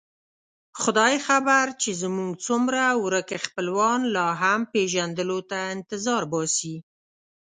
خدای خبر چې زموږ څومره ورک خپلوان لا هم پېژندلو ته انتظار باسي.